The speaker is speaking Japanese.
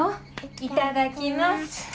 いただきます。